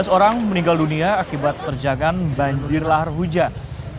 tujuh belas orang meninggal dunia akibat terjangan banjir lahar hujan